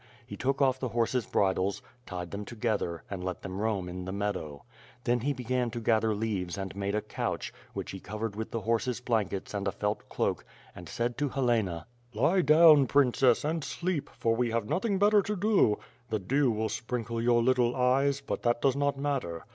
He took ofF the horses' bridles, tied them to gether, and lot them roam in the meadow. Then he began to gather leaves and made a couch, which he covered with the horses' blankets and with a felt cloak, and said to Helena: 1^5^ ^ITE FIRE AND SWORD. • "Lie down. Princess, and sleep, for we have nothing l)eLter to do. The dew will sprinkle your little eyes, but that does not matter.